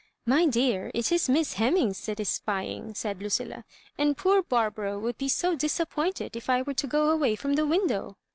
" My dear, it is Miss Hemmings that is spying, said Lucilla; "and poor Barbara would be so disappointed if I were to go away from the win dow.